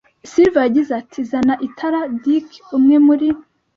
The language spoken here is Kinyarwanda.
Silver yagize ati: "Zana itara, Dick". Umwe muri